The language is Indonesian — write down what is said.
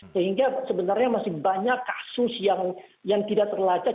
sehingga sebenarnya masih banyak kasus yang tidak terlacak